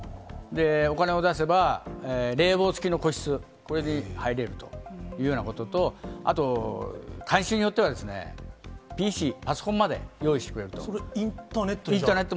お金を出せば、冷房付きの個室、これに入れるというようなことと、あと、看守によってはですね、ＰＣ、パソコンまで用意してくれるんです。